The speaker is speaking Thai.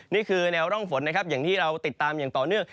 นี่คือแนวร่องฝนนะครับอย่างที่เราติดตามอย่างต่อเนื่อง